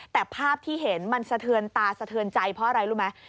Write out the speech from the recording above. แต่ภาพที่เห็นมันสะเทือนตาสะเทือนใจเพราะอะไรรู้ไหม